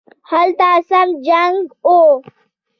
هلته سم جنګ وو